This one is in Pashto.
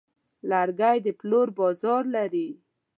لرګی د پلور بازار لري.